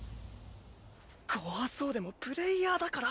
怖そうでもプレイヤーだから。